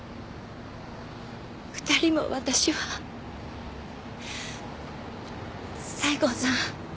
２人も私は西郷さん